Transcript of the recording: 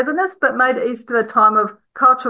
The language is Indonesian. tapi membuat paskah menjadi waktu